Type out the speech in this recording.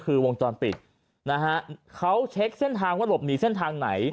คือวงจรปิดนะฮะเขาเช็คเส้นทางว่าหลบหนีเส้นทางไหน